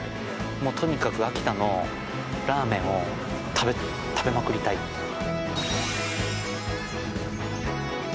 もうとにかく秋田のラーメンを食べまくりたいというか。